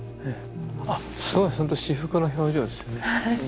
あっすごいほんと至福の表情ですよね。